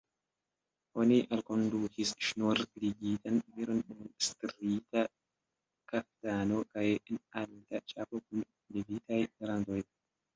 Oni alkondukis ŝnurligitan viron en striita kaftano kaj en alta ĉapo kun levitaj randoj.